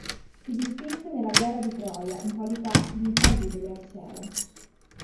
Si distinse nella Guerra di Troia in qualità di infallibile arciere.